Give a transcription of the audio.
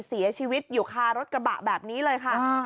เสียชีวิตอยู่คารถกระบะแบบนี้เลยค่ะ